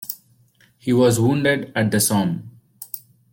He was wounded at the Somme.